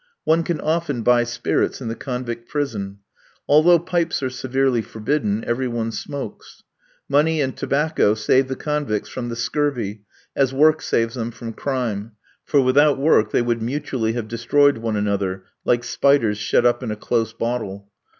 One can often buy spirits in the convict prison. Although pipes are severely forbidden, every one smokes. Money and tobacco save the convicts from the scurvy, as work saves them from crime for without work they would mutually have destroyed one another like spiders shut up in a close bottle.